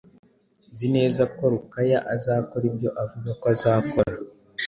Nzi neza ko Rukara azakora ibyo avuga ko azakora.